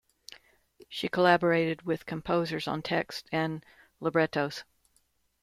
She collaborated with composers on texts and librettos.